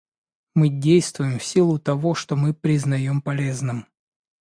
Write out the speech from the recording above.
Мы действуем в силу того, что мы признаем полезным.